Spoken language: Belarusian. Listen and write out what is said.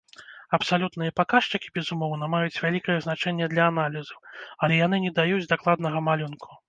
Абсалютныя паказчыкі, безумоўна, маюць вялікае значэнне для аналізу, але яны не даюць дакладнага малюнку.